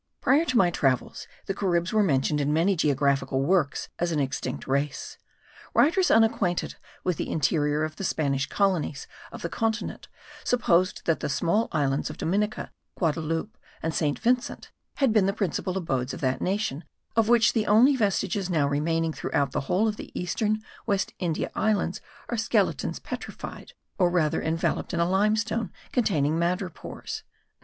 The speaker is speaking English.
Prior to my travels, the Caribs were mentioned in many geographical works as an extinct race. Writers unacquainted with the interior of the Spanish colonies of the continent supposed that the small islands of Dominica, Guadaloupe, and St. Vincent had been the principal abodes of that nation of which the only vestiges now remaining throughout the whole of the eastern West India Islands are skeletons petrified, or rather enveloped in a limestone containing madrepores.